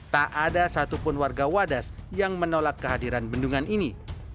tak ada satupun warga wadas yang menolak kehadiran bendungan ini